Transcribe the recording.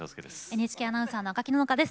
ＮＨＫアナウンサーの赤木野々花です。